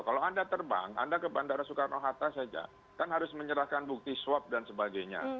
kalau anda terbang anda ke bandara soekarno hatta saja kan harus menyerahkan bukti swab dan sebagainya